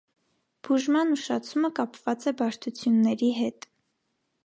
Բուժման ուշացումը կապված է բարդությունների հետ։